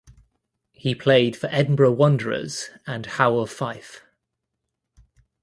He played for Edinburgh Wanderers and Howe of Fife.